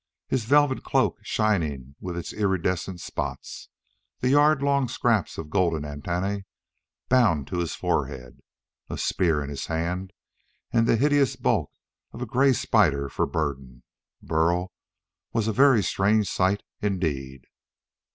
His velvet cloak shining with its irridescent spots, the yard long scraps of golden antennae bound to his forehead, a spear in his hand, and the hideous bulk of a gray spider for burden Burl was a very strange sight indeed.